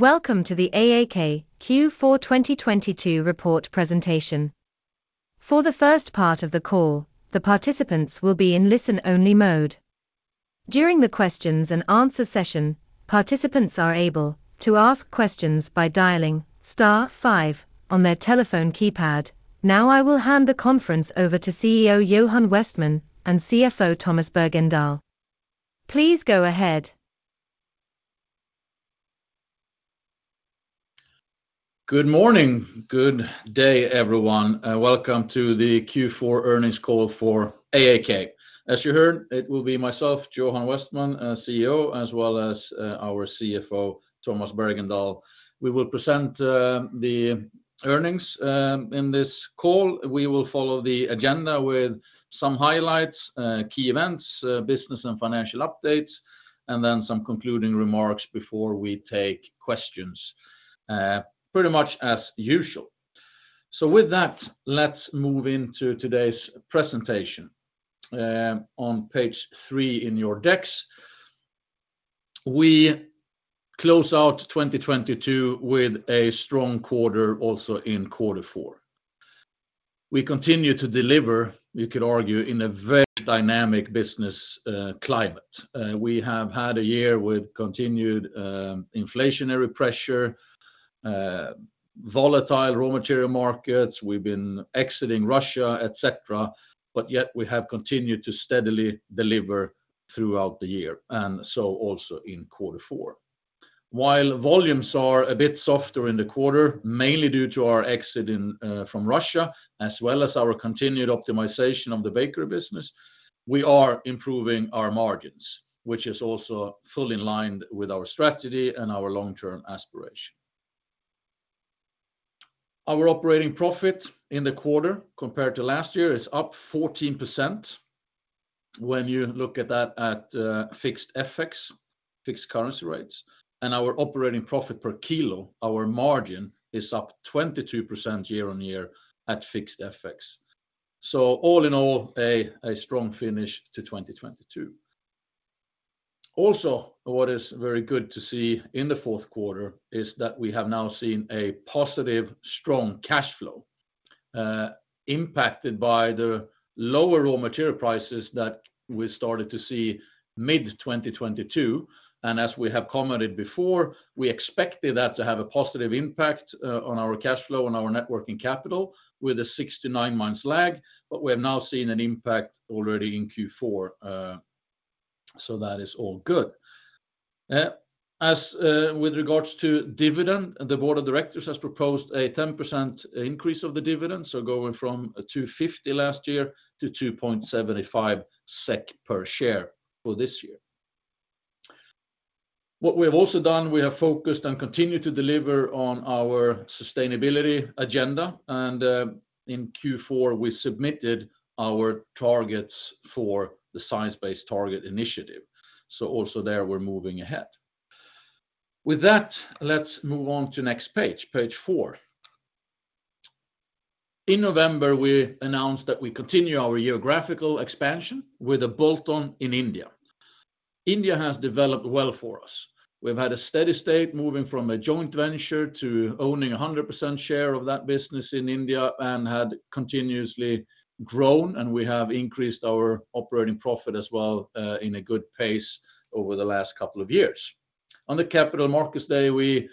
Welcome to the AAK Q4 2022 Report Presentation. For the first part of the call, the participants will be in listen-only mode. During the questions-and-answer session, participants are able to ask questions by dialing star five on their telephone keypad. I will hand the conference over to CEO Johan Westman and CFO Tomas Bergendahl. Please go ahead. Good morning. Good day, everyone, and welcome to the Q4 earnings call for AAK. As you heard, it will be myself, Johan Westman, CEO, as well as our CFO, Tomas Bergendahl. We will present the earnings in this call. We will follow the agenda with some highlights, key events, business and financial updates, and then some concluding remarks before we take questions pretty much as usual. With that, let's move into today's presentation. On page three in your decks, we close out 2022 with a strong quarter also in quarter four. We continue to deliver, you could argue, in a very dynamic business climate. We have had a year with continued inflationary pressure, volatile raw material markets. We've been exiting Russia, et cetera, but yet we have continued to steadily deliver throughout the year, and so also in quarter four. While volumes are a bit softer in the quarter, mainly due to our exit in from Russia, as well as our continued optimization of the bakery business, we are improving our margins, which is also fully in line with our strategy and our long-term aspiration. Our operating profit in the quarter compared to last year is up 14% when you look at that at fixed FX, fixed currency rates. Our operating profit per kilo, our margin, is up 22% year on year at fixed FX. All in all, a strong finish to 2022. What is very good to see in the fourth quarter is that we have now seen a positive strong cash flow, impacted by the lower raw material prices that we started to see mid-2022. As we have commented before, we expected that to have a positive impact on our cash flow and our net working capital with a six to nine months lag. We have now seen an impact already in Q4, so that is all good. As with regards to dividend, the board of directors has proposed a 10% increase of the dividend, so going from a 2.50 SEK last year to 2.75 SEK per share for this year. What we have also done, we have focused and continued to deliver on our sustainability agenda. In Q4, we submitted our targets for the Science Based Targets initiative. Also there, we're moving ahead. With that, let's move on to next page four. In November, we announced that we continue our geographical expansion with a bolt-on in India. India has developed well for us. We've had a steady state moving from a joint venture to owning a 100% share of that business in India and had continuously grown, and we have increased our operating profit as well, in a good pace over the last couple of years. On the Capital Markets Day, we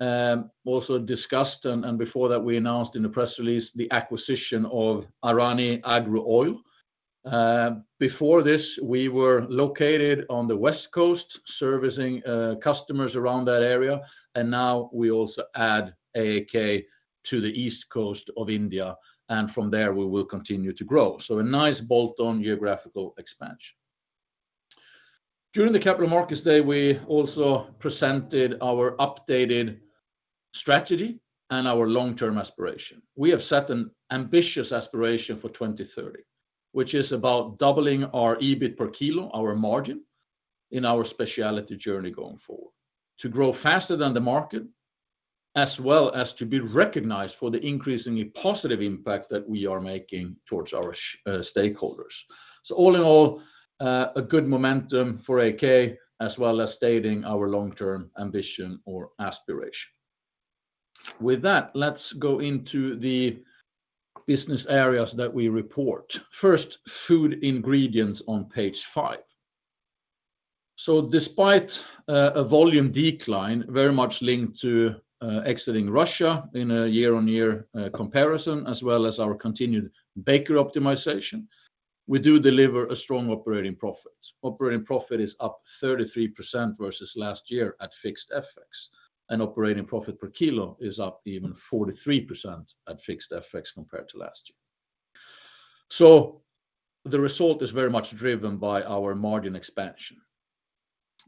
also discussed and before that, we announced in the press release the acquisition of Arani Agro Oil. Before this, we were located on the West Coast, servicing customers around that area. Now we also add AAK to the East Coast of India, and from there, we will continue to grow. A nice bolt-on geographical expansion. During the Capital Markets Day, we also presented our updated strategy and our long-term aspiration. We have set an ambitious aspiration for 2030, which is about doubling our EBIT per kilo, our margin, in our specialty journey going forward, to grow faster than the market, as well as to be recognized for the increasingly positive impact that we are making towards our stakeholders. All in all, a good momentum for AAK, as well as stating our long-term ambition or aspiration. With that, let's go into the business areas that we report. First, Food Ingredients on page five. Despite a volume decline very much linked to exiting Russia in a year-on-year comparison, as well as our continued bakery optimization, we do deliver a strong operating profit. Operating profit is up 33% versus last year at fixed FX, and operating profit per kilo is up even 43% at fixed FX compared to last year. The result is very much driven by our margin expansion.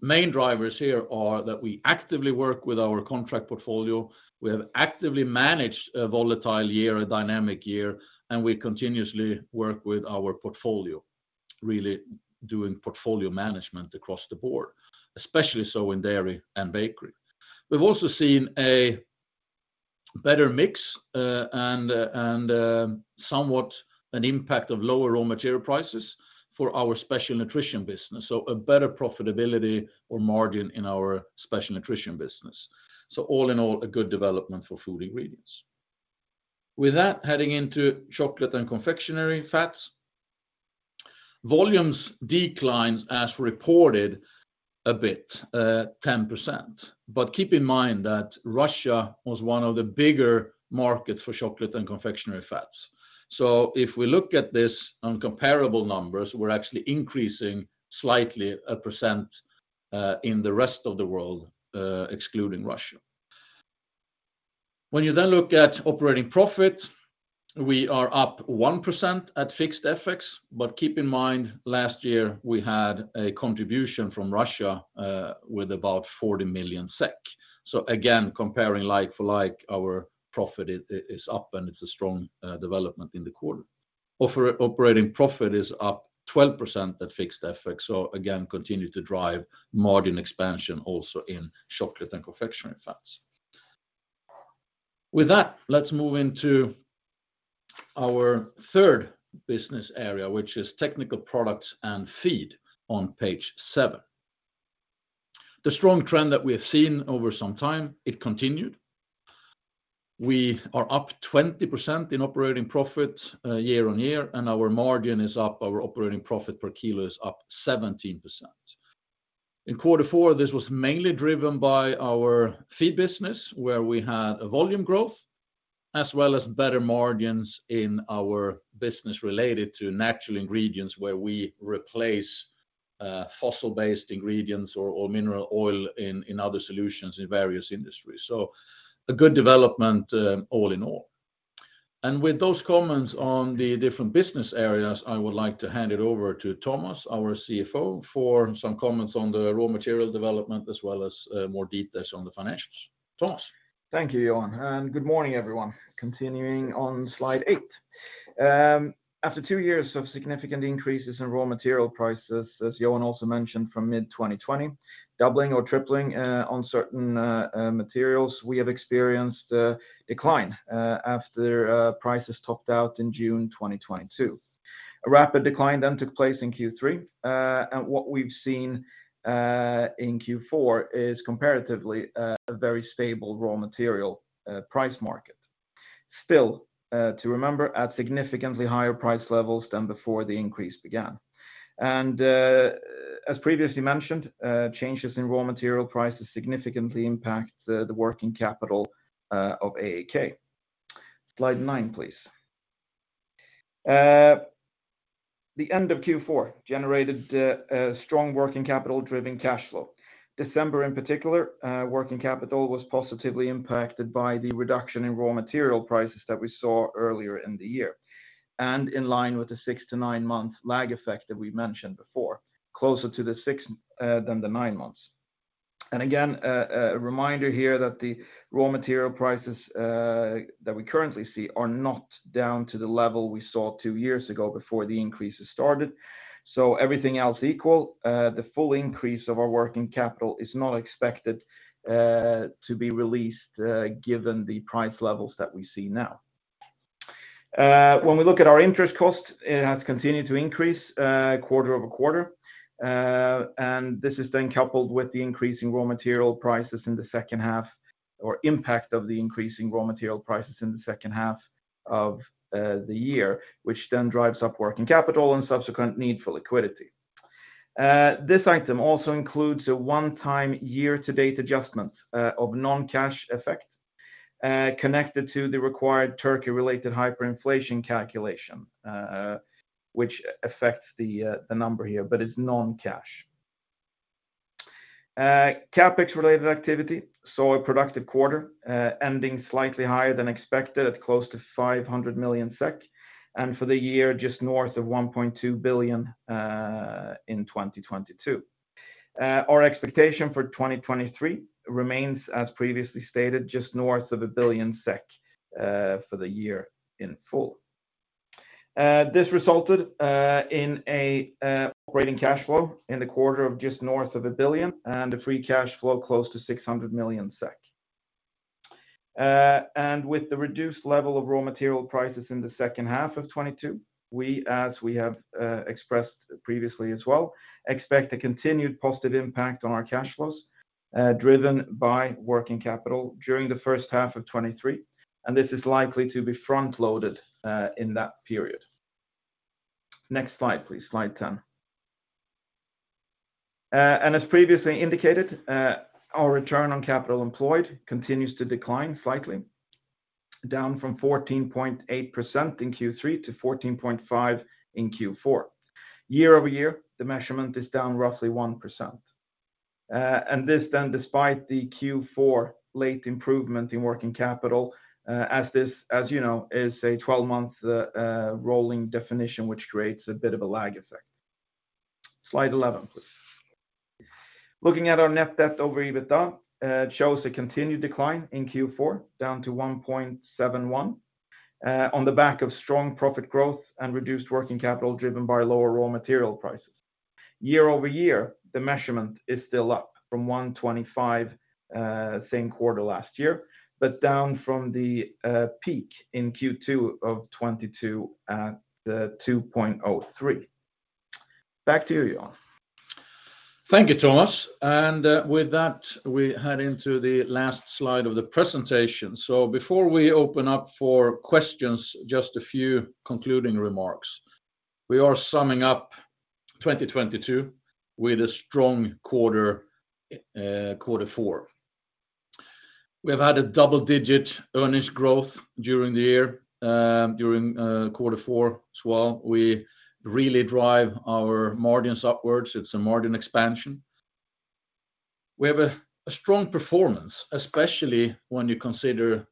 Main drivers here are that we actively work with our contract portfolio. We have actively managed a volatile year, a dynamic year, and we continuously work with our portfolio, really doing portfolio management across the board, especially so in dairy and bakery. We've also seen a better mix, and somewhat an impact of lower raw material prices for our Special Nutrition business. A better profitability or margin in our Special Nutrition business. All in all, a good development for Food Ingredients. With that, heading into Chocolate and Confectionery Fats. Volumes declined as reported a bit, 10%. Keep in mind that Russia was one of the bigger markets for Chocolate and Confectionery Fats. If we look at this on comparable numbers, we're actually increasing slightly 1% in the rest of the world, excluding Russia. You then look at operating profit, we are up 1% at fixed FX. Keep in mind, last year we had a contribution from Russia with about 40 million SEK. Again, comparing like for like, our profit is up, and it's a strong development in the quarter. Operating profit is up 12% at fixed FX. Again, continue to drive margin expansion also in Chocolate and Confectionery Fats. With that, let's move into our third business area, which is Technical Products and Feed on page seven. The strong trend that we have seen over some time, it continued. We are up 20% in operating profit, year-on-year, and our margin is up, our operating profit per kilo is up 17%. In quarter four, this was mainly driven by our fee business, where we had a volume growth as well as better margins in our business related to natural ingredients, where we replace fossil-based ingredients or mineral oil in other solutions in various industries. A good development, all in all. With those comments on the different business areas, I would like to hand it over to Tomas, our CFO, for some comments on the raw material development, as well as more details on the financials. Tomas. Thank you, Johan. Good morning, everyone. Continuing on slide eight. After two years of significant increases in raw material prices, as Johan also mentioned from mid-2020, doubling or tripling on certain materials, we have experienced a decline after prices topped out in June 2022. A rapid decline took place in Q3, and what we've seen in Q4 is comparatively a very stable raw material price market. Still, to remember at significantly higher price levels than before the increase began. As previously mentioned, changes in raw material prices significantly impact the working capital of AAK. Slide nine, please. The end of Q4 generated a strong working capital-driven cash flow. December in particular, working capital was positively impacted by the reduction in raw material prices that we saw earlier in the year. In line with the six to nine month lag effect that we mentioned before, closer to the six, than the nine months. Again, a reminder here that the raw material prices that we currently see are not down to the level we saw two years ago before the increases started. Everything else equal, the full increase of our working capital is not expected to be released, given the price levels that we see now. When we look at our interest costs, it has continued to increase, quarter-over-quarter. This is then coupled with the increasing raw material prices in the second half, or impact of the increasing raw material prices in the second half of the year, which then drives up working capital and subsequent need for liquidity. This item also includes a one-time year-to-date adjustment of non-cash effect connected to the required Turkey-related hyperinflation calculation, which affects the number here, but is non-cash. CapEx-related activity, saw a productive quarter, ending slightly higher than expected at close to 500 million SEK, and for the year, just north of 1.2 billion in 2022. Our expectation for 2023 remains, as previously stated, just north of 1 billion SEK for the year in full. This resulted in an operating cash flow in the quarter of just north of 1 billion and a free cash flow close to 600 million SEK. With the reduced level of raw material prices in the second half of 2022, we, as we have expressed previously as well, expect a continued positive impact on our cash flows, driven by working capital during the first half of 2023, and this is likely to be front-loaded in that period. Next slide, please. Slide 10. As previously indicated, our return on capital employed continues to decline slightly, down from 14.8% in Q3 to 14.5% in Q4. Year-over-year, the measurement is down roughly 1%. This then despite the Q4 late improvement in working capital, as this, as you know, is a 12-month rolling definition, which creates a bit of a lag effect. Slide 11, please. Looking at our net debt over EBITDA, it shows a continued decline in Q4, down to 1.71 on the back of strong profit growth and reduced working capital driven by lower raw material prices. Year-over-year, the measurement is still up from 1.25 same quarter last year, but down from the peak in Q2 of 2022 at 2.03. Back to you, Johan. Thank you, Tomas. With that, we head into the last slide of the presentation. Before we open up for questions, just a few concluding remarks. We are summing up 2022 with a strong quarter four. We have had a double-digit earnings growth during the year, during quarter four as well. We really drive our margins upwards. It's a margin expansion. We have a strong performance, especially when you consider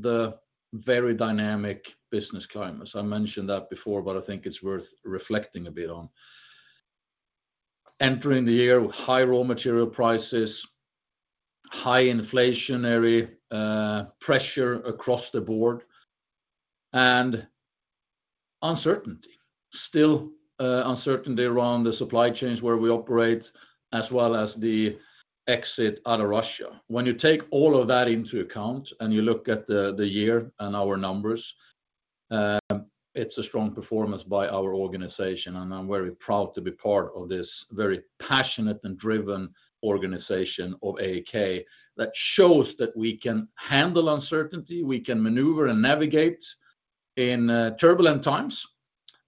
the very dynamic business climate. I mentioned that before, but I think it's worth reflecting a bit on. Entering the year with high raw material prices, high inflationary pressure across the board, and uncertainty. Still, uncertainty around the supply chains where we operate, as well as the exit out of Russia. When you take all of that into account and you look at the year and our numbers, it's a strong performance by our organization, and I'm very proud to be part of this very passionate and driven organization of AAK that shows that we can handle uncertainty, we can maneuver and navigate in turbulent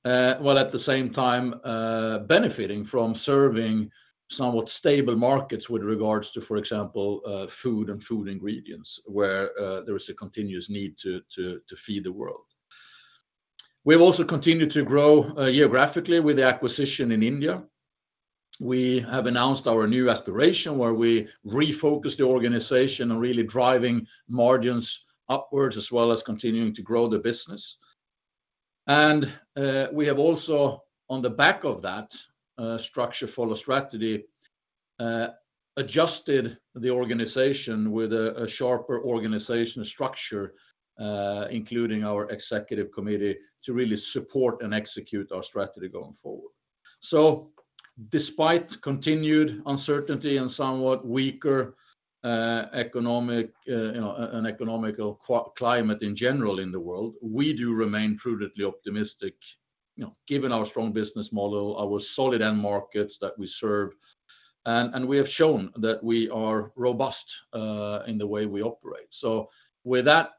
times, while at the same time benefiting from serving somewhat stable markets with regards to, for example, food and food ingredients, where there is a continuous need to feed the world. We have also continued to grow geographically with the acquisition in India. We have announced our new aspiration, where we refocus the organization on really driving margins upwards, as well as continuing to grow the business. We have also, on the back of that, structure follow strategy, adjusted the organization with a sharper organizational structure, including our executive committee, to really support and execute our strategy going forward. Despite continued uncertainty and somewhat weaker economic, you know, an economical climate in general in the world, we do remain prudently optimistic, you know, given our strong business model, our solid end markets that we serve. We have shown that we are robust in the way we operate. With that,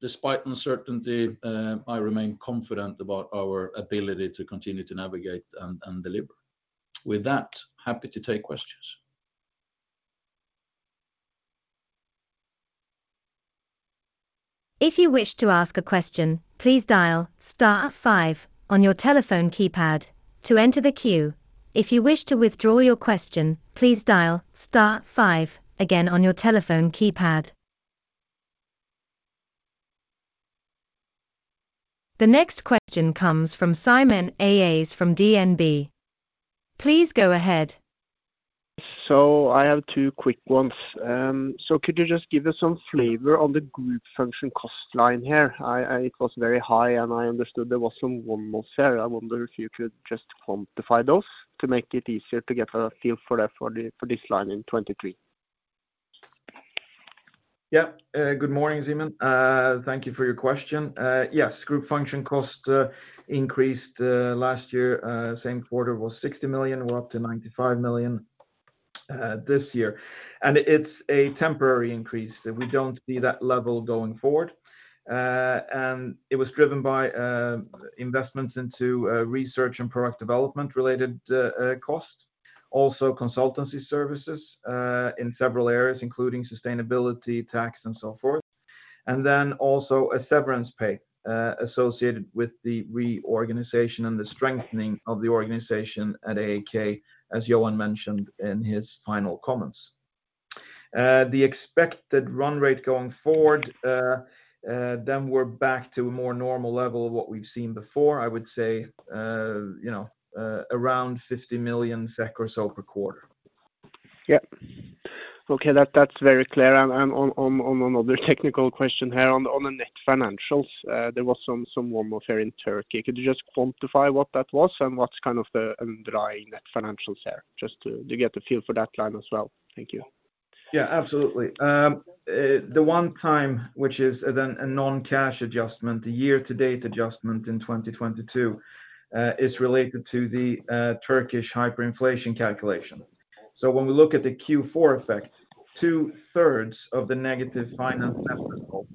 despite uncertainty, I remain confident about our ability to continue to navigate and deliver. With that, happy to take questions. If you wish to ask a question, please dial star five on your telephone keypad to enter the queue. If you wish to withdraw your question, please dial star five again on your telephone keypad. The next question comes from Simen Aas from DNB. Please go ahead. I have two quick ones. Could you just give us some flavor on the group function cost line here? It was very high, and I understood there was some one more sale. I wonder if you could just quantify those to make it easier to get a feel for that for the, for this line in 2023. Good morning, Simen. Thank you for your question. Yes, group function cost increased last year. Same quarter was 60 million. We're up to 95 million this year. It's a temporary increase. We don't see that level going forward. It was driven by investments into research and product development-related costs. Also consultancy services in several areas, including sustainability, tax, and so forth. Then also a severance pay associated with the reorganization and the strengthening of the organization at AAK, as Johan mentioned in his final comments. The expected run rate going forward, then we're back to a more normal level of what we've seen before. I would say, you know, around 50 million SEK or so per quarter. Yeah. Okay, that's very clear. On another technical question here on the net financials, there was some one more sale in Turkey. Could you just quantify what that was and what's kind of the underlying net financials there? Just to get a feel for that line as well. Thank you. Yeah, absolutely. The one time, which is then a non-cash adjustment, the year-to-date adjustment in 2022, is related to the Turkish hyperinflation calculation. When we look at the Q4 effect, two-thirds of the negative finance net result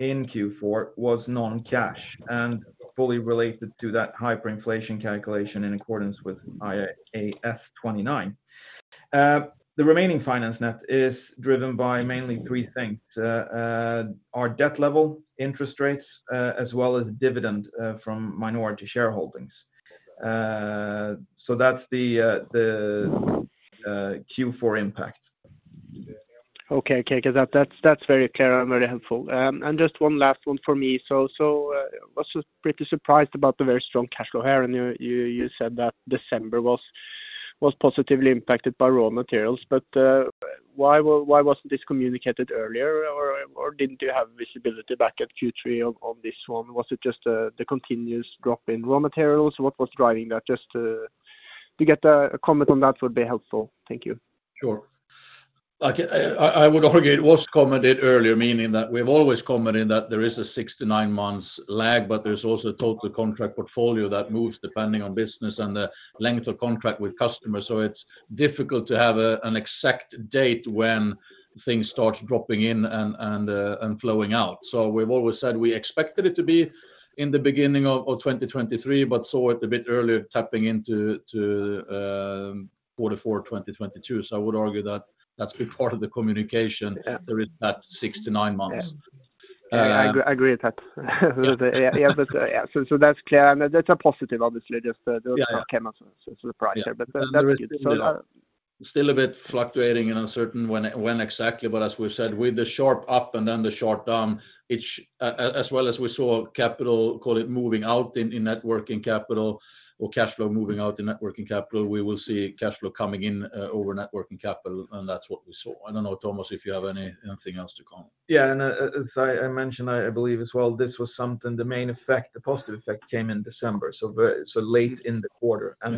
in Q4 was non-cash and fully related to that hyperinflation calculation in accordance with IAS 29. The remaining finance net is driven by mainly three things: our debt level, interest rates, as well as dividend from minority shareholdings. That's the Q4 impact. Okay. 'Cause that's very clear and very helpful. Just one last one for me. I was just pretty surprised about the very strong cash flow here. You said that December was positively impacted by raw materials. Why wasn't this communicated earlier? Or didn't you have visibility back at Q3 on this one? Was it just the continuous drop in raw materials? What was driving that? Just to get a comment on that would be helpful. Thank you. Sure. Like I would argue it was commented earlier, meaning that we've always commented that there is a six to nine months lag, but there's also total contract portfolio that moves depending on business and the length of contract with customers. It's difficult to have an exact date when things start dropping in and flowing out. We've always said we expected it to be in the beginning of 2023, but saw it a bit earlier tapping into, quarter four 2022. I would argue that that's been part of the communication that there is that six to nine months. Yeah. I agree with that. Yeah. Yeah. That's clear, and that's a positive obviously, just those came as a surprise there. That's good. Still a bit fluctuating and uncertain when exactly. As we've said, with the sharp up and then the sharp down, as well as we saw capital, call it, moving out in net working capital or cash flow moving out in net working capital, we will see cash flow coming in over net working capital. That's what we saw. I don't know, Tomas, if you have anything else to comment. Yeah. As I mentioned, I believe as well, this was something the main effect, the positive effect came in December, so late in the quarter. Yeah.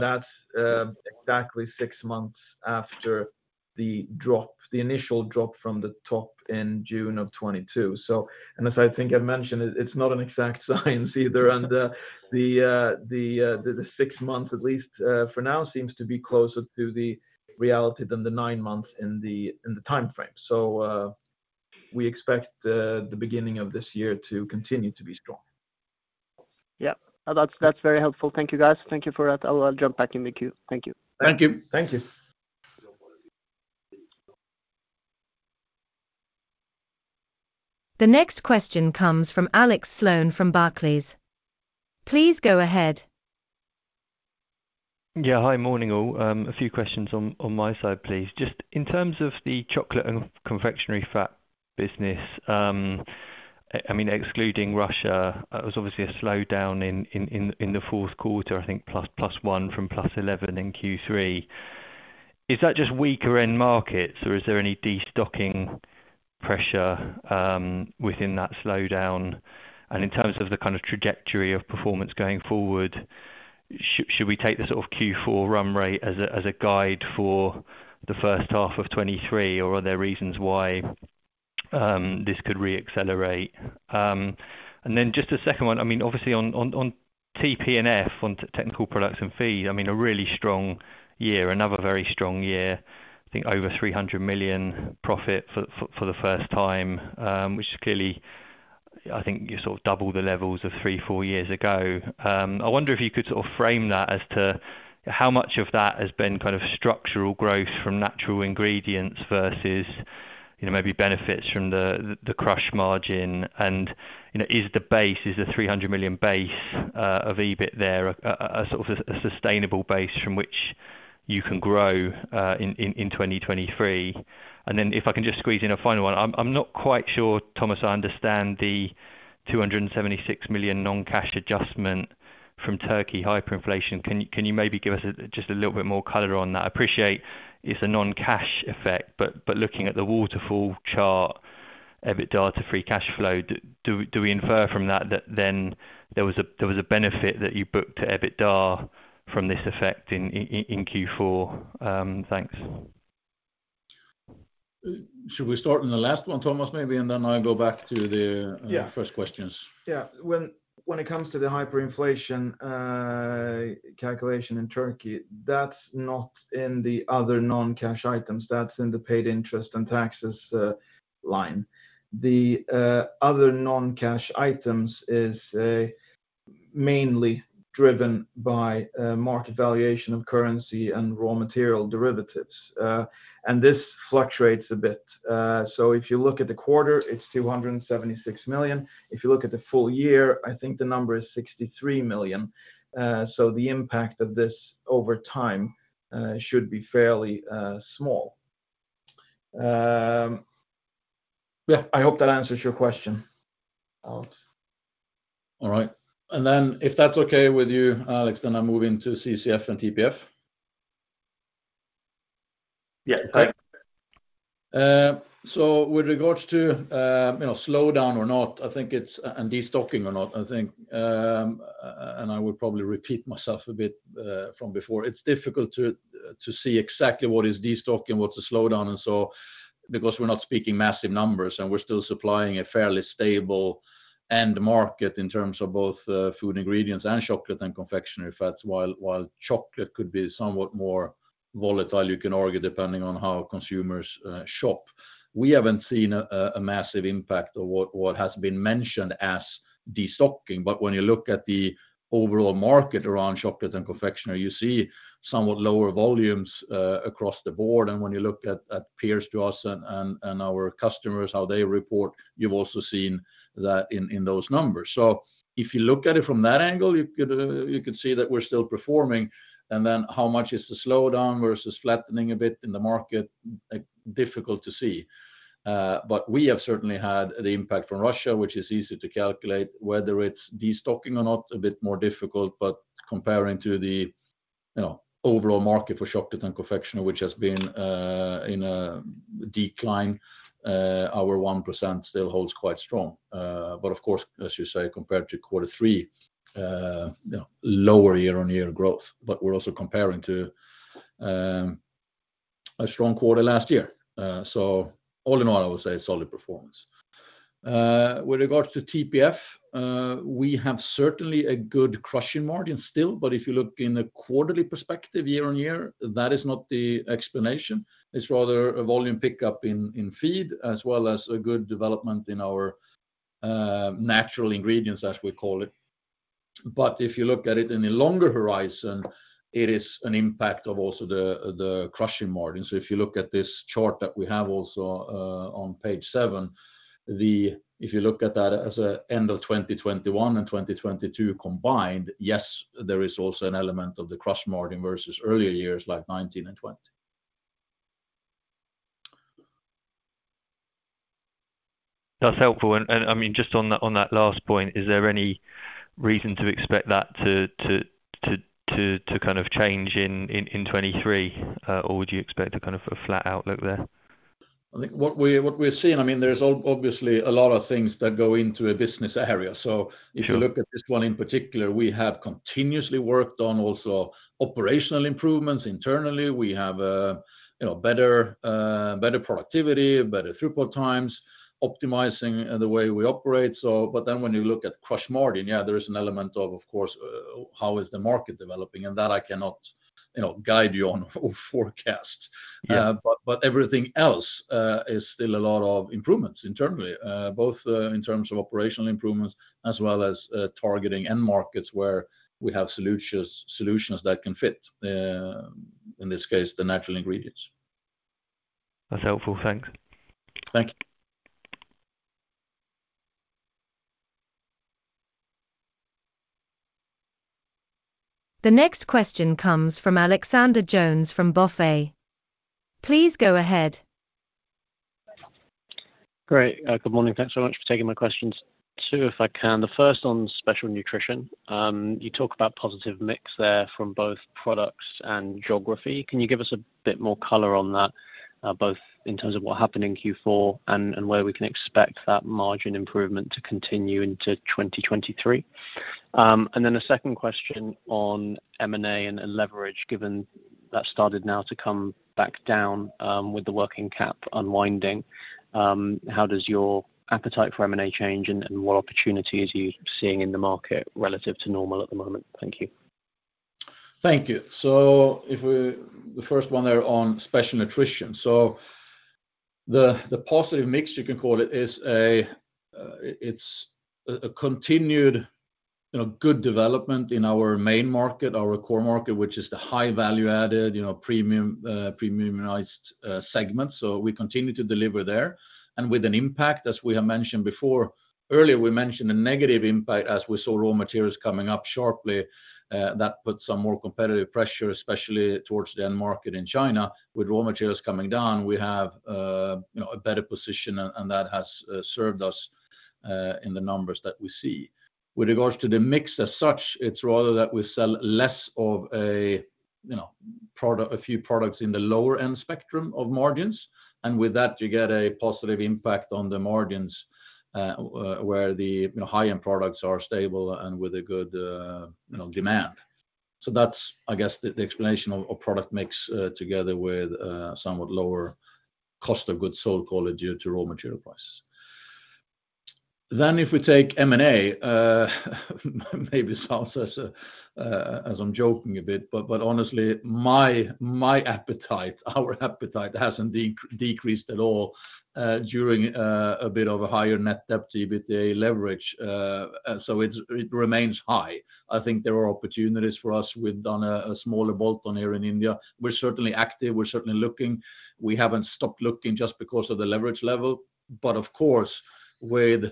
That's exactly six months after the drop, the initial drop from the top in June of 2022. As I think I mentioned, it's not an exact science either. The six months, at least, for now, seems to be closer to the reality than the nine months in the time frame. We expect the beginning of this year to continue to be strong. Yeah. That's, that's very helpful. Thank you, guys. Thank you for that. I will jump back in the queue. Thank you. Thank you. Thank you. The next question comes from Alex Sloane from Barclays. Please go ahead. Yeah. Hi. Morning, all. A few questions on my side, please. Just in terms of the Chocolate and Confectionery Fat business, I mean, excluding Russia, it was obviously a slowdown in the fourth quarter, I think +1% from +11% in Q3. Is that just weaker end markets or is there any destocking pressure within that slowdown? In terms of the kind of trajectory of performance going forward, should we take the sort of Q4 run rate as a guide for the first half of 2023, or are there reasons why this could re-accelerate? Then just a second one, I mean, obviously on TP&F, on Technical Products and Feed, I mean, a really strong year, another very strong year. I think over 300 million profit for the first time, which is clearly, I think you sort of double the levels of three, four years ago. I wonder if you could sort of frame that as to how much of that has been kind of structural growth from natural ingredients versus, you know, maybe benefits from the crush margin. You know, is the 300 million base of EBIT there, a sort of a sustainable base from which you can grow in 2023? If I can just squeeze in a final one. I'm not quite sure, Tomas, I understand the 276 million non-cash adjustment from Turkey hyperinflation. Can you maybe give us a little bit more color on that? I appreciate it's a non-cash effect, but looking at the waterfall chart, EBITDA to free cash flow, do we infer from that there was a benefit that you booked to EBITDA from this effect in Q4? Thanks. Should we start on the last one, Tomas, maybe? Then I go back first questions? Yeah. When it comes to the hyperinflation calculation in Turkey, that's not in the other non-cash items. That's in the paid interest and taxes line. The other non-cash items is mainly driven by market valuation of currency and raw material derivatives. This fluctuates a bit. If you look at the quarter, it's 276 million. If you look at the full year, I think the number is 63 million. The impact of this over time should be fairly small. I hope that answers your question, Alex. All right. If that's okay with you, Alex Sloane, then I'll move into CCF and TPF. Yeah. With regards to, you know, slowdown or not, I think it's. Destocking or not, I think, and I would probably repeat myself a bit from before. It's difficult to see exactly what is destocking, what's a slowdown because we're not speaking massive numbers, and we're still supplying a fairly stable end market in terms of both, Food Ingredients and Chocolate and Confectionery Fats. While chocolate could be somewhat more volatile, you can argue, depending on how consumers shop. We haven't seen a massive impact of what has been mentioned as destocking. When you look at the overall market around chocolate and confectionery, you see somewhat lower volumes, across the board. When you look at peers to us and our customers, how they report, you've also seen that in those numbers. If you look at it from that angle, you could see that we're still performing. How much is the slowdown versus flattening a bit in the market, difficult to see. We have certainly had the impact from Russia, which is easy to calculate. Whether it's destocking or not, a bit more difficult. Comparing to the, you know, overall market for Chocolate and Confectionery Fats, which has been in a decline, our 1% still holds quite strong. Of course, as you say, compared to quarter three, you know, lower year-on-year growth. We're also comparing to a strong quarter last year. All in all, I would say solid performance. With regards to TPF, we have certainly a good crushing margin still. If you look in a quarterly perspective year-on-year, that is not the explanation. It's rather a volume pickup in feed, as well as a good development in our natural ingredients, as we call it. If you look at it in a longer horizon, it is an impact of also the crushing margin. If you look at this chart that we have also on page seven, if you look at that as end of 2021 and 2022 combined, yes, there is also an element of the crush margin versus earlier years, like 2019 and 2020. That's helpful. I mean, just on that last point, is there any reason to expect that to kind of change in 2023? Would you expect a kind of a flat outlook there? I think what we're seeing, I mean, there's obviously a lot of things that go into a business area. If you look at this one in particular, we have continuously worked on also operational improvements internally. We have, you know, better productivity, better throughput times, optimizing the way we operate. When you look at crush margin, yeah, there is an element of course, how is the market developing? That I cannot, you know, guide you on or forecast. Yeah. Everything else is still a lot of improvements internally, both in terms of operational improvements as well as targeting end markets where we have solutions that can fit in this case, the natural ingredients. That's helpful. Thanks. Thank you. The next question comes from Alexander Jones from BofA. Please go ahead. Great. Good morning. Thanks so much for taking my questions. Two, if I can. The first on Special Nutrition. You talk about positive mix there from both products and geography. Can you give us a bit more color on that, both in terms of what happened in Q4 and where we can expect that margin improvement to continue into 2023? A second question on M&A and leverage, given that started now to come back down with the working cap unwinding. How does your appetite for M&A change and what opportunities are you seeing in the market relative to normal at the moment? Thank you. Thank you. The first one there on Special Nutrition. The positive mix you can call it, is a, it's a continued, you know, good development in our main market, our core market, which is the high value-added, you know, premium, premiumized segment. We continue to deliver there. With an impact, as we have mentioned before, earlier, we mentioned a negative impact as we saw raw materials coming up sharply. That put some more competitive pressure, especially towards the end market in China. With raw materials coming down, we have, you know, a better position, and that has served us in the numbers that we see. With regards to the mix as such, it's rather that we sell less of a, you know, a few products in the lower-end spectrum of margins. With that, you get a positive impact on the margins, where the, you know, high-end products are stable and with a good, you know, demand. That's, I guess, the explanation of product mix together with somewhat lower cost of goods sold quality due to raw material prices. If we take M&A, maybe sounds as as I'm joking a bit, but honestly, my appetite, our appetite hasn't decreased at all during a bit of a higher net debt EBITDA leverage. It remains high. I think there are opportunities for us. We've done a smaller bolt-on here in India. We're certainly active. We're certainly looking. We haven't stopped looking just because of the leverage level. Of course, with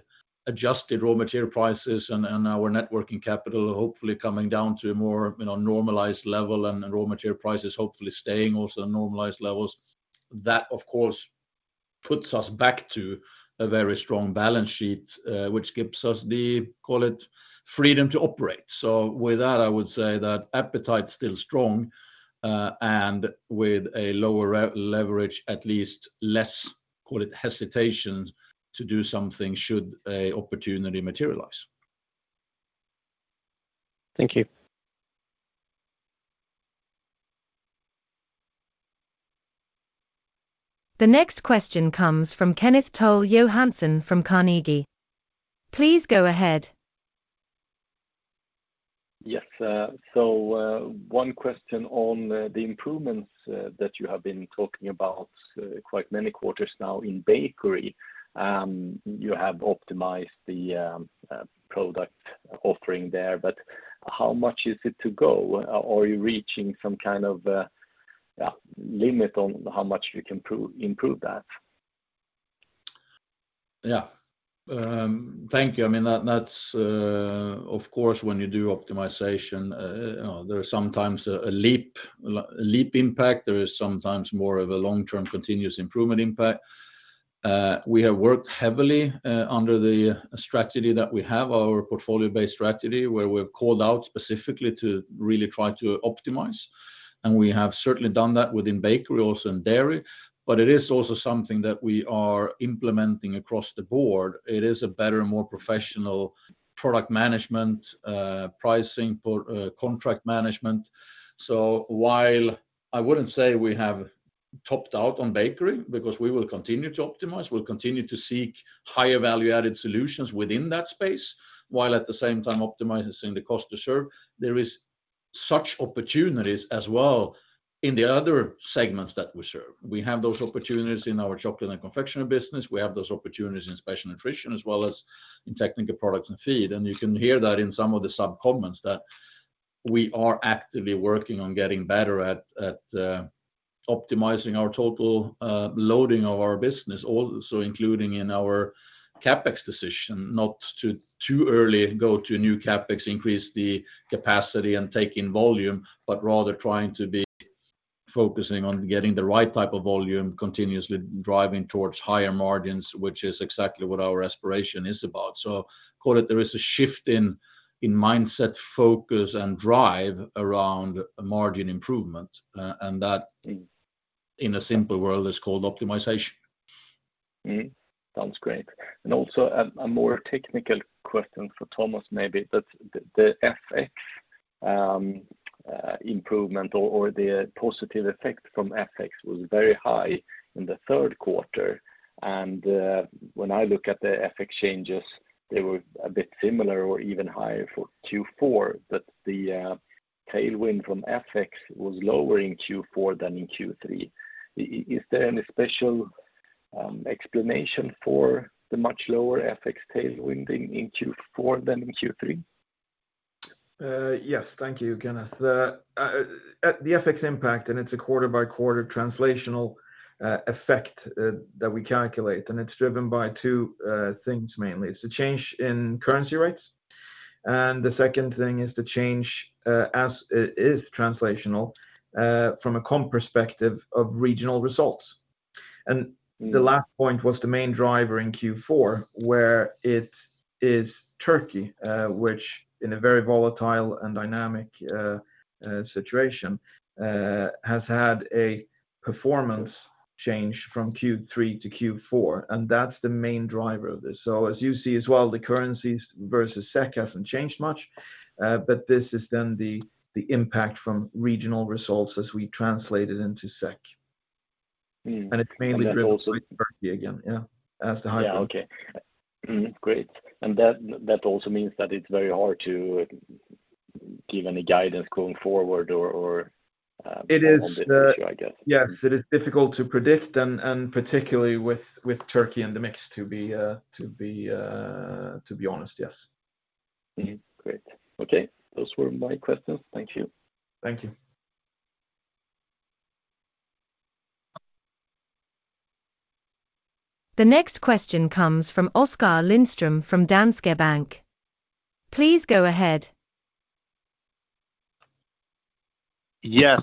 adjusted raw material prices and our net working capital hopefully coming down to a more, you know, normalized level and raw material prices hopefully staying also at normalized levels, that of course, puts us back to a very strong balance sheet, which gives us the, call it, freedom to operate. With that, I would say that appetite's still strong, and with a lower leverage, at least less, call it, hesitations to do something should an opportunity materialize. Thank you. The next question comes from Kenneth Toll Johansson from Carnegie. Please go ahead. Yes. One question on the improvements that you have been talking about quite many quarters now in bakery. You have optimized the product offering there, but how much is it to go? Are you reaching some kind of, yeah, limit on how much you can improve that? Yeah. Thank you. I mean, that's, of course, when you do optimization, you know, there's sometimes a leap impact. There is sometimes more of a long-term continuous improvement impact. We have worked heavily under the strategy that we have, our portfolio-based strategy, where we've called out specifically to really try to optimize, and we have certainly done that within bakery, also in dairy. It is also something that we are implementing across the board. It is a better and more professional product management, pricing for contract management. While I wouldn't say we have topped out on bakery because we will continue to optimize, we'll continue to seek higher value-added solutions within that space, while at the same time optimizing the cost to serve. There is such opportunities as well in the other segments that we serve. We have those opportunities in our Chocolate and Confectionery fats business. We have those opportunities in Special Nutrition as well as in Technical Products and Feed. You can hear that in some of the sub-comments that we are actively working on getting better at optimizing our total loading of our business, also including in our CapEx decision, not to too early go to new CapEx, increase the capacity and take in volume, but rather trying to be focusing on getting the right type of volume, continuously driving towards higher margins, which is exactly what our aspiration is about. Call it there is a shift in mindset, focus, and drive around margin improvement, and that in a simple world is called optimization. Sounds great. Also a more technical question for Tomas, maybe. The FX improvement or the positive effect from FX was very high in the third quarter. When I look at the FX changes, they were a bit similar or even higher for Q4, but the tailwind from FX was lower in Q4 than in Q3. Is there any special explanation for the much lower FX tailwind in Q4 than in Q3? Yes. Thank you again. The, the FX impact, and it's a quarter-by-quarter translational effect, that we calculate, and it's driven by two things mainly. It's the change in currency rates, and the second thing is the change, as is translational, from a comp perspective of regional results. Mm. The last point was the main driver in Q4, where it is Turkey, which in a very volatile and dynamic situation, has had a performance change from Q3 to Q4, and that's the main driver of this. As you see as well, the currencies versus SEK hasn't changed much, but this is then the impact from regional results as we translate it into SEK. It's mainly driven by Turkey again. Yeah. Yeah. Okay. Great. That also means that it's very hard to give any guidance going forward or, on this issue, I guess. Yes. It is difficult to predict and particularly with Turkey and the mix to be honest, yes. Great. Okay. Those were my questions. Thank you. Thank you. The next question comes from Oskar Lindström from Danske Bank. Please go ahead. Yes.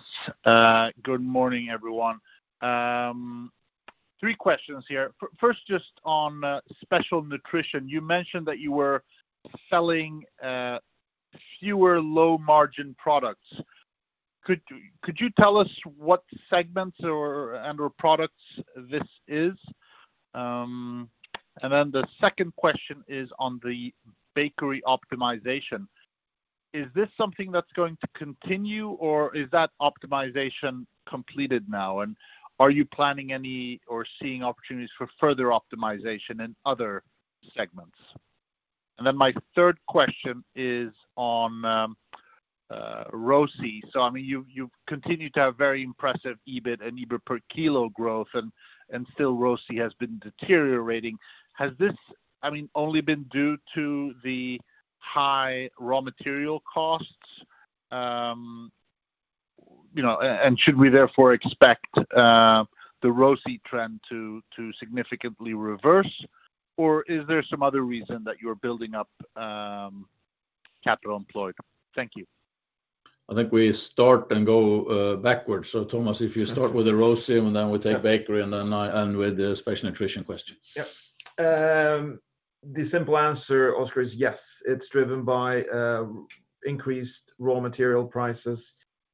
Good morning, everyone. Three questions here. First, just on Special Nutrition. You mentioned that you were selling fewer low-margin products. Could you tell us what segments or, and/or products this is? The second question is on the bakery optimization. Is this something that's going to continue, or is that optimization completed now? Are you planning any or seeing opportunities for further optimization in other segments? My third question is on ROCE. I mean, you've continued to have very impressive EBIT and EBIT per kilo growth and still ROCE has been deteriorating. Has this, I mean, only been due to the high raw material costs? You know, and should we therefore expect the ROCE trend to significantly reverse, or is there some other reason that you're building up capital employed? Thank you. I think we start and go, backwards. Tomas, if you start with the ROCE and then we take bakery and then I end with the Special Nutrition question. Yep. The simple answer, Oskar, is yes. It's driven by increased raw material prices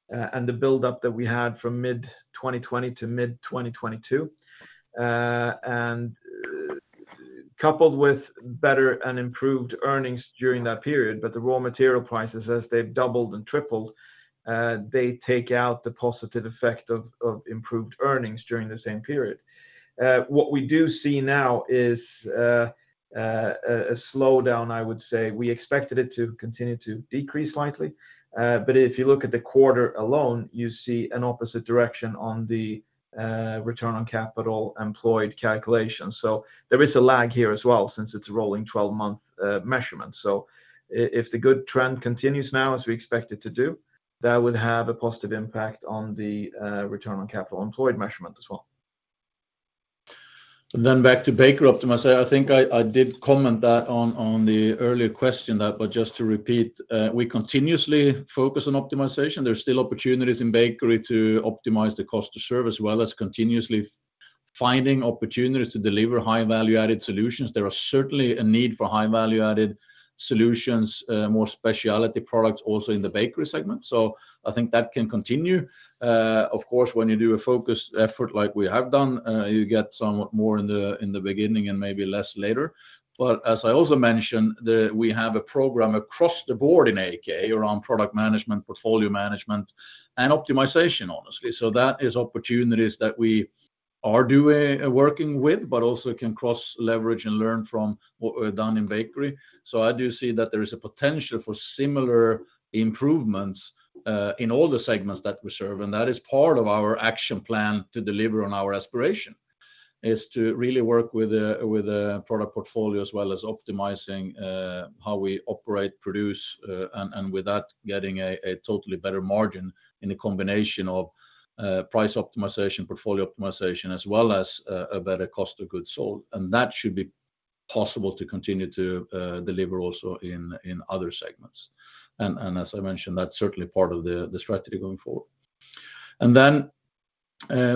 and the buildup that we had from mid-2020 to mid-2022. Coupled with better and improved earnings during that period, but the raw material prices as they've doubled and tripled, they take out the positive effect of improved earnings during the same period. What we do see now is a slowdown, I would say. We expected it to continue to decrease slightly. If you look at the quarter alone, you see an opposite direction on the return on capital employed calculation. There is a lag here as well since it's a rolling 12-month measurement. if the good trend continues now as we expect it to do, that would have a positive impact on the return on capital employed measurement as well. Back to bakery optimization. I think I did comment on the earlier question but just to repeat, we continuously focus on optimization. There's still opportunities in bakery to optimize the cost to serve as well as continuously finding opportunities to deliver high value-added solutions. There are certainly a need for high value-added solutions, more specialty products also in the bakery segment. I think that can continue. Of course, when you do a focused effort like we have done, you get somewhat more in the beginning and maybe less later. As I also mentioned, we have a program across the board in AAK around product management, portfolio management and optimization, honestly. That is opportunities that we are working with, but also can cross-leverage and learn from what we've done in bakery. I do see that there is a potential for similar improvements in all the segments that we serve, and that is part of our action plan to deliver on our aspiration, is to really work with a, with a product portfolio, as well as optimizing how we operate, produce, and with that, getting a totally better margin in a combination of price optimization, portfolio optimization, as well as a better cost of goods sold. That should be possible to continue to deliver also in other segments. As I mentioned, that's certainly part of the strategy going forward. Then,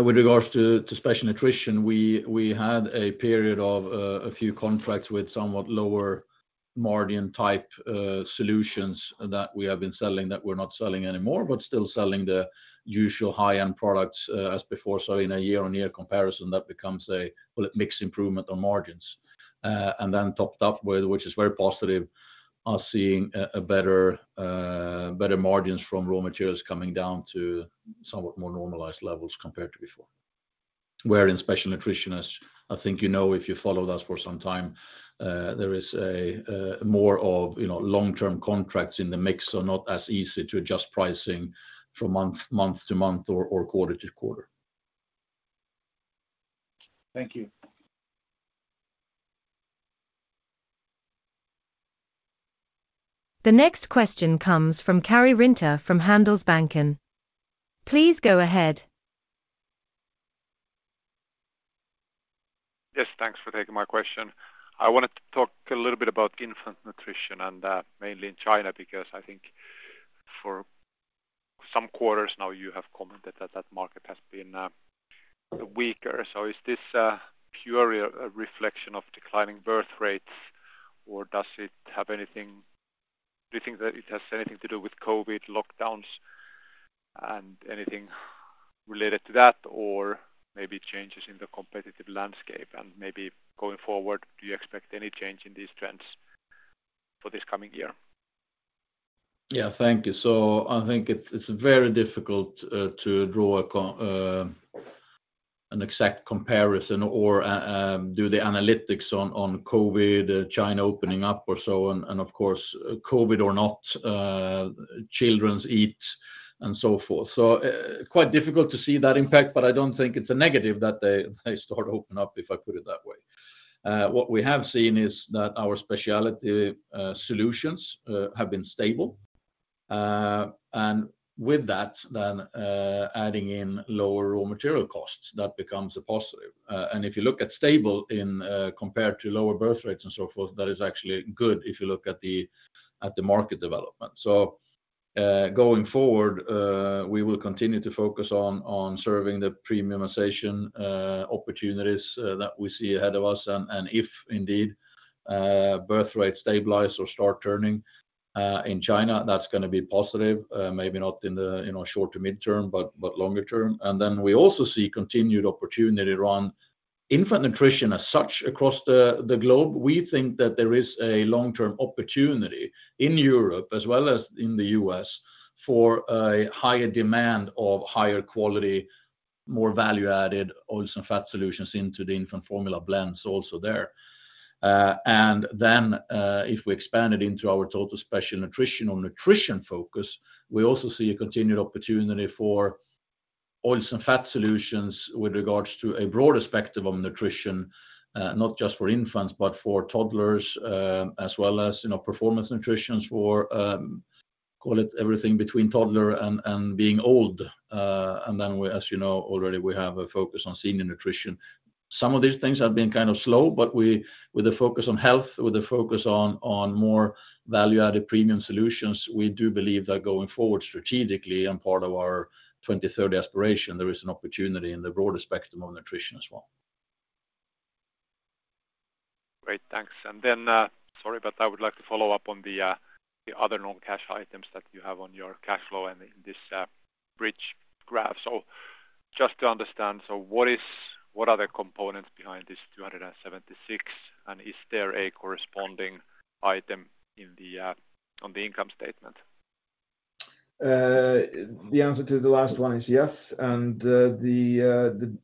with regards to Special Nutrition, we had a period of a few contracts with somewhat lower margin-type solutions that we have been selling that we're not selling anymore, but still selling the usual high-end products as before. In a year-on-year comparison, that becomes a mixed improvement on margins. Then topped up with, which is very positive, are seeing a better margins from raw materials coming down to somewhat more normalized levels compared to before. In Special Nutrition, as I think you know, if you followed us for some time, there is a more of, you know, long-term contracts in the mix, so not as easy to adjust pricing from month to month or quarter to quarter. Thank you. The next question comes from Karri Rinta from Handelsbanken. Please go ahead. Yes, thanks for taking my question. I wanted to talk a little bit about Infant Nutrition and mainly in China, because I think for some quarters now, you have commented that that market has been weaker. Is this purely a reflection of declining birth rates, or do you think that it has anything to do with COVID lockdowns and anything related to that, or maybe changes in the competitive landscape? Maybe going forward, do you expect any change in these trends for this coming year? Yeah, thank you. I think it's very difficult to draw an exact comparison or do the analytics on COVID, China opening up or so on. Of course, COVID or not, children eat and so forth. Quite difficult to see that impact, but I don't think it's a negative that they start open up, if I put it that way. What we have seen is that our specialty solutions have been stable. With that then, adding in lower raw material costs, that becomes a positive. If you look at stable in compared to lower birth rates and so forth, that is actually good if you look at the market development. Going forward, we will continue to focus on serving the premiumization opportunities that we see ahead of us. If indeed, birth rates stabilize or start turning in China, that's gonna be positive, maybe not in the, you know, short to midterm, but longer term. We also see continued opportunity around Infant Nutrition as such across the globe. We think that there is a long-term opportunity in Europe as well as in the U.S. for a higher demand of higher quality, more value-added oils and fat solutions into the infant formula blends also there. If we expand it into our total Special Nutrition or nutrition focus, we also see a continued opportunity for oils and fat solutions with regards to a broader spectrum of nutrition, not just for infants, but for toddlers, as well as, you know, Performance Nutrition for, call it everything between toddler and being old. We, as you know already, we have a focus on Senior Nutrition. Some of these things have been kind of slow, but we, with a focus on health, with a focus on more value-added premium solutions, we do believe that going forward strategically and part of our 2030 aspiration, there is an opportunity in the broader spectrum of nutrition as well. Great, thanks. Sorry, I would like to follow up on the other non-cash items that you have on your cash flow and in this bridge graph. Just to understand, so what are the components behind this 276, and is there a corresponding item in the on the income statement? The answer to the last one is yes. The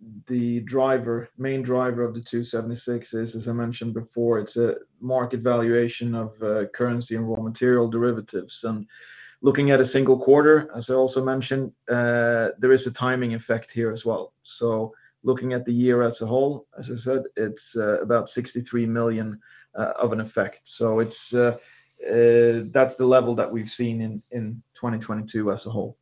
main driver of the 276 is, as I mentioned before, it's a market valuation of currency and raw material derivatives. Looking at a single quarter, as I also mentioned, there is a timing effect here as well. Looking at the year as a whole, as I said, it's about 63 million of an effect. That's the level that we've seen in 2022 as a whole.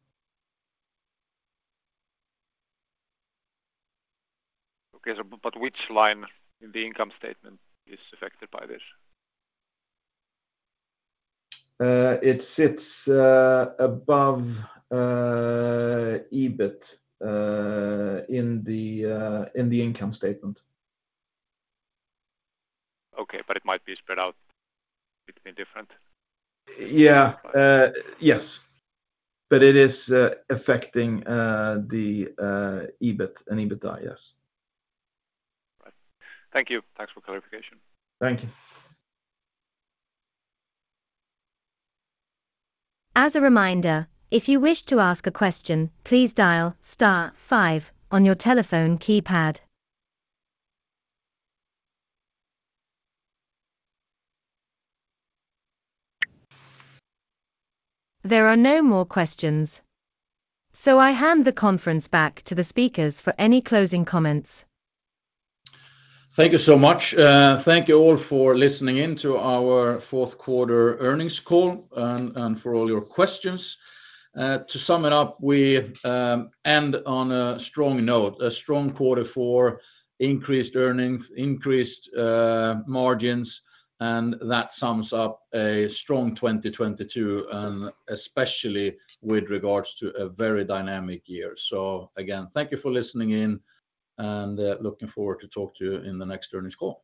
Which line in the income statement is affected by this? It sits above EBIT in the income statement. Okay. It might be spread out between different- Yeah. Yes. It is affecting the EBIT and EBITDA, yes. Right. Thank you. Thanks for clarification. Thank you. As a reminder, if you wish to ask a question, please dial star five on your telephone keypad. There are no more questions, so I hand the conference back to the speakers for any closing comments. Thank you so much. Thank you all for listening in to our fourth quarter earnings call and for all your questions. To sum it up, we end on a strong note, a strong quarter for increased earnings, increased margins. That sums up a strong 2022, especially with regards to a very dynamic year. Again, thank you for listening in and looking forward to talk to you in the next earnings call.